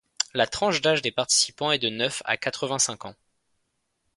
La tranche d'âge des participants est de neuf à quatre-vingt-cinq ans.